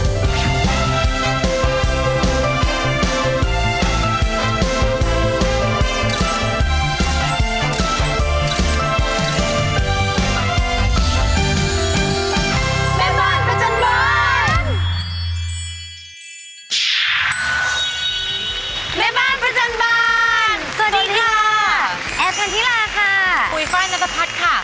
ภูยิฝ่ายนัตรภัทรค่ะ